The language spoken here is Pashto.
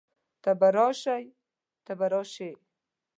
ته به راشئ، ته به راشې